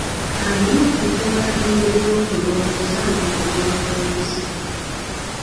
Alina okuzuula engeri y'okulowooza n'okugonjoola ebizibu.